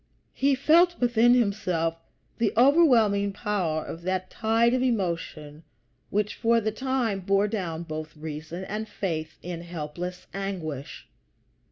He felt within himself the overwhelming power of that tide of emotion which for the time bore down both reason and faith in helpless anguish.